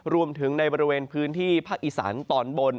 รวมถึงในบริเวณพื้นที่ภาคอีสานตอนบน